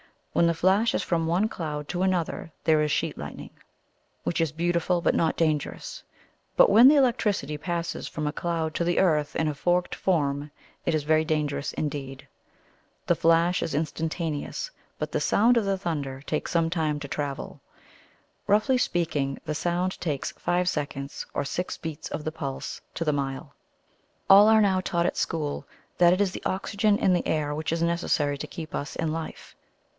When the flash is from one cloud to another there is sheet lightning, which is beautiful but not dangerous; but, when the electricity passes from a cloud to the earth in a forked form, it is very dangerous indeed. The flash is instantaneous, but the sound of the thunder takes some time to travel. Roughly speaking, the sound takes five seconds or six beats of the pulse to the mile. All are now taught at school that it is the oxygen in the air which is necessary to keep us in life.